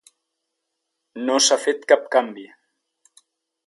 No s'ha fet cap canvi.